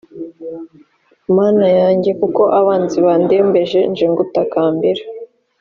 mana yanjye kuko abanzi bandembeje nje ngutakambira